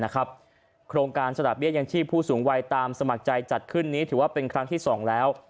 โครงการสละเบี้ยยังชีพผู้สูงวัยตามสมัครใจจัดขึ้นนี้ถือว่าเป็นครั้งที่๒แล้ว